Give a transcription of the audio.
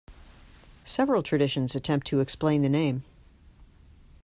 Several traditions attempt to explain the name.